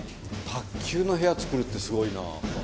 卓球の部屋作るってすごいな。